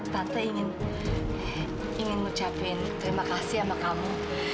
tante ingin ngucapin terima kasih sama kamu